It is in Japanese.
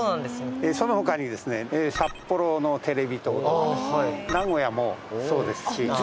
その他にですね札幌のテレビ塔とかですね名古屋もそうですし。